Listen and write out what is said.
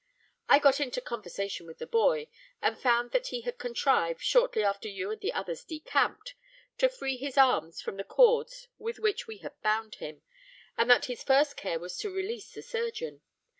I got into conversation with the boy, and found that he had contrived, shortly after you and the others decamped, to free his arms from the cords with which we had bound him; and that his first care was to release the surgeon.